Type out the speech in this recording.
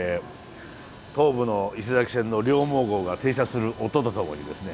東武の伊勢崎線のりょうもう号が停車する音とともにですね